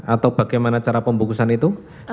atau bagaimana cara pembungkusan itu